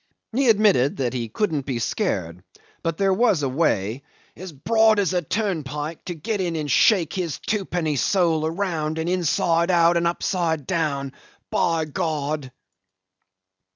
He admitted that he couldn't be scared, but there was a way, "as broad as a turnpike, to get in and shake his twopenny soul around and inside out and upside down by God!"